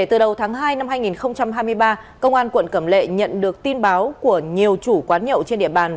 từ đầu tháng hai năm hai nghìn hai mươi ba công an quận cẩm lệ nhận được tin báo của nhiều chủ quán nhậu trên địa bàn